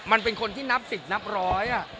มันเป็นคนที่นับสิทธิ์นับร้อย